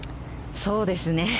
そうですね。